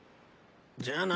じゃあな。